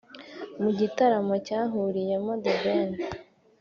Mu gitaramo cyahuriyemo The Ben